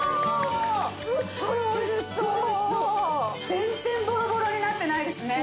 全然ボロボロになってないですね。